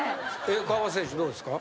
川端選手どうですか？